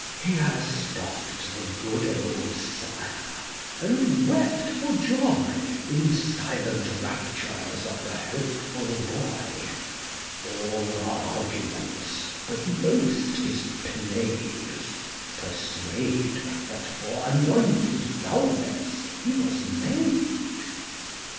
Here stopp'd the good old sire, and wept for joy, eo In silent raptures of the hopeful boy. All arguments, but most his plays, persuade, That for anointed dulness he was made.